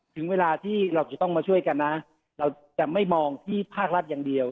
ถึงเวลาที่เราจะต้องมาช่วยกันนะเราจะไม่มองที่ภาครัฐอย่างเดียว